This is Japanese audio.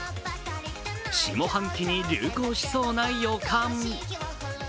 下半期に流行しそうな予感。